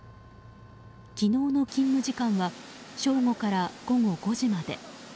昨日の勤務時間は正午から午後５時まで。